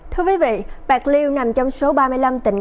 thưa quý vị bạc liêu nằm trong số ba mươi năm tỉnh